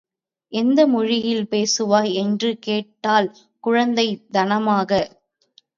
எந்த மொழியில் பேசுவாய்? என்று கேட்டாள் குழந்தைத் தனமாக.